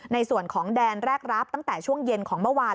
ในส่วนของแดนแรกรับตั้งแต่ช่วงเย็นของเมื่อวาน